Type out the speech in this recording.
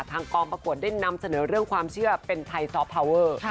กองประกวดได้นำเสนอเรื่องความเชื่อเป็นไทยซอฟพาวเวอร์